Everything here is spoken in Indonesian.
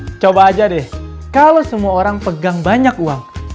ya coba aja deh kalau semua orang pegang banyak uang